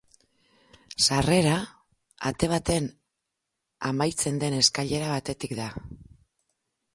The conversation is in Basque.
Sarrera ate baten amaitzen den eskailera batetik da.